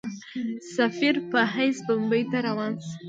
سفیر په حیث بمبیی ته روان سي.